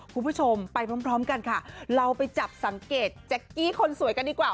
คุณผู้ชมไปพร้อมกันค่ะเราไปจับสังเกตแจ๊กกี้คนสวยกันดีกว่า